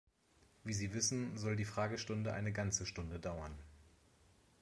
Wie Sie wissen, soll die Fragestunde eine ganze Stunde dauern.